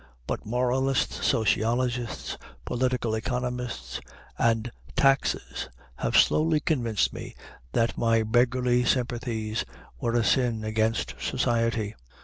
But moralists, sociologists, political economists, and taxes have slowly convinced me that my beggarly sympathies were a sin against society.